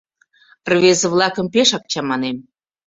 Рвезе-влакым пешак чаманем.